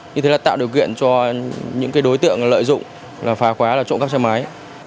như thế là tạo điều kiện cho những đối tượng lợi dụng là phá khóa là trộm cắp xe máy